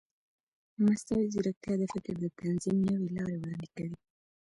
مصنوعي ځیرکتیا د فکر د تنظیم نوې لارې وړاندې کوي.